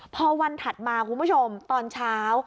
พอวันถัดมาคุณผู้ชมตอนเช้า